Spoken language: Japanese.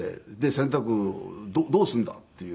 「洗濯どうするんだ？」っていう。